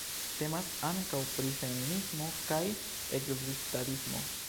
Temas ankaŭ pri feminismo kaj ekzistadismo.